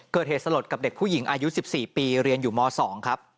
เกิดเหตุสลดกับเด็กผู้หญิงอายุ๑๔ปีเรียนอยู่ม๒ครับ